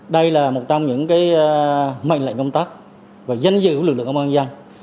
đây là một trong những mệnh lệnh công tác và danh dự của lực lượng công an nhân dân